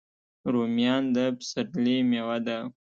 رومیان د پسرلي میوه ده